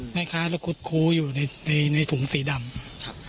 ใช่ค่ะคุดคูอยู่ในในในถุงสีดำครับ